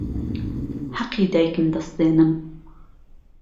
حهقی دایکم دهستێنم